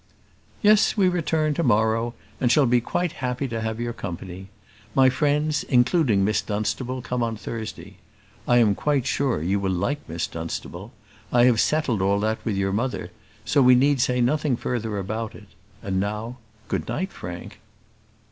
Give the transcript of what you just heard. "Yes, we return to morrow, and shall be happy to have your company. My friends, including Miss Dunstable, come on Thursday. I am quite sure you will like Miss Dunstable. I have settled all that with your mother, so we need say nothing further about it. And now, good night, Frank."